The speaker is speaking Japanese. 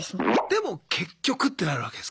でも結局ってなるわけですか。